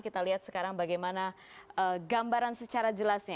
kita lihat sekarang bagaimana gambaran secara jelasnya